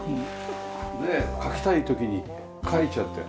ねえ描きたい時に描いちゃってる。